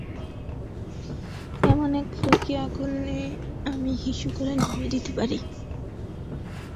এমন এক ফুলকি আগুন আমি হিসু করে নিভিয়ে দিতে পারি।